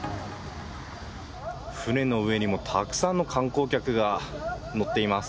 船の上にもたくさんの観光客が乗っています。